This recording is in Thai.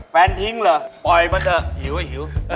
แฟนทิ้งเหรอ